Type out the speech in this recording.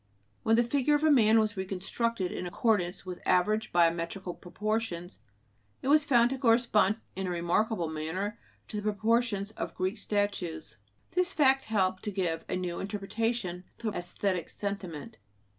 When the figure of a man was reconstructed in accordance with average biometrical proportions, it was found to correspond in a remarkable manner to the proportions of Greek statues. This fact helped to give a new interpretation to "æsthetic sentiment."